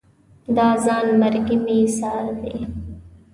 دا ځان مرګي مې ایسار دي